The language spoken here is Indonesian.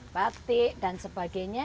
batik dan sebagainya